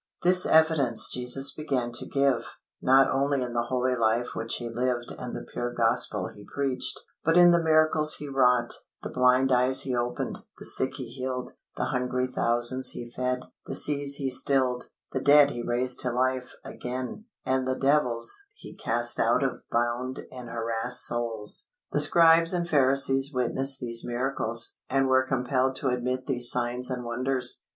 This evidence Jesus began to give, not only in the holy life which He lived and the pure Gospel He preached, but in the miracles He wrought, the blind eyes He opened, the sick He healed, the hungry thousands He fed, the seas He stilled, the dead He raised to life again, and the devils He cast out of bound and harassed souls. The Scribes and Pharisees witnessed these miracles, and were compelled to admit these signs and wonders.